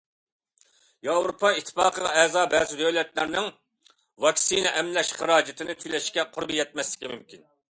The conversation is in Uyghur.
ياۋروپا ئىتتىپاقىغا ئەزا بەزى دۆلەتلەرنىڭ ۋاكسىنا ئەملەش خىراجىتىنى تۆلەشكە قۇربى يەتمەسلىكى مۇمكىن.